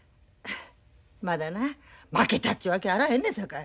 まだな負けたちゅうわけやあらへんねんさかい。